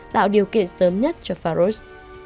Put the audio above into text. tạo điều kiện sớm nhất cho farus